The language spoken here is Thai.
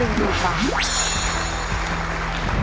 ถ้าตอบถูก๔ข้อรับ๑๐๐๐๐๐๐บาท